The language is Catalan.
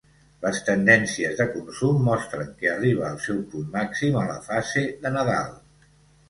Les tendències de consum mostren que arriba al seu punt màxim a la fase de Nadal.